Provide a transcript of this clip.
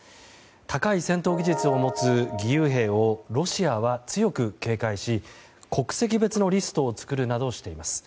高い戦闘技術を持つ義勇兵をロシアは強く警戒し、国籍別のリストを作るなどしています。